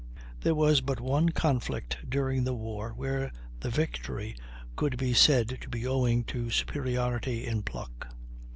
There was but one conflict during the war where the victory could be said to be owing to superiority in pluck.